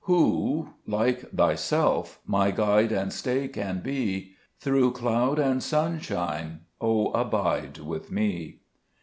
Who like Thyself my guide and stay can be? Through cloud and sunshine, O abide with me.